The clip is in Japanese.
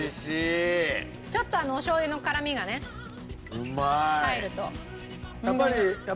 ちょっとお醤油の辛みがね入ると。